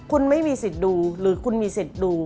คุณไม่มีสิทธิ์ดูหรือคุณมีสิทธิ์ดู